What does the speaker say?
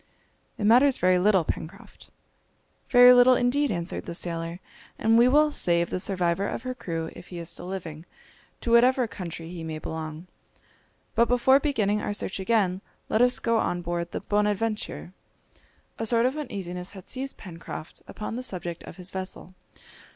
"It matters very little, Pencroft!" "Very little indeed," answered the sailor; "and we will save the survivor of her crew if he is still living, to whatever country he may belong. But before beginning our search again let us go on board the Bonadventure." A sort of uneasiness had seized Pencroft upon the subject of his vessel.